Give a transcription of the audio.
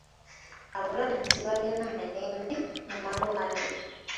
Abalwadde tebalina mirembe mu malwaliro.